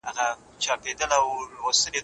مهاجرت سخت دی.